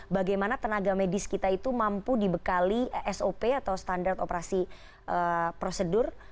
bagaimana tenaga medis kita itu mampu dibekali sop atau standar operasi prosedur